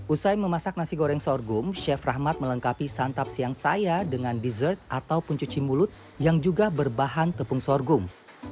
usai memasak nasi goreng sorghum chef rahmat melengkapi santap siang saya dengan dessert ataupun cuci mulut yang juga berbahan tepung sorghum